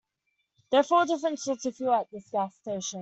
There are four different sorts of fuel at this gas station.